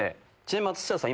松下さん